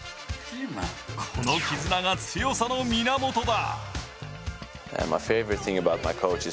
この絆が強さの源だ。